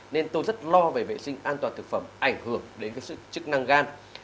nên tôi rất lo về vệ sinh an toàn thực phẩm ảnh hưởng đến cái chức năng gan